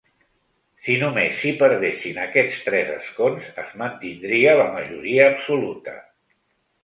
Si només s’hi perdessin aquests tres escons, es mantindria la majoria absoluta.